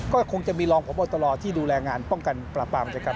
ก็คงจะมีรองพบตรที่ดูแลงานป้องกันปราบปรามจากการ